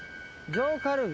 上カルビ。